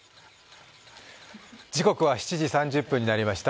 時刻は７時３０分になりました。